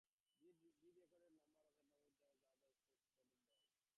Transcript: Bid recorded a number of albums with his other band, Scarlet's Well.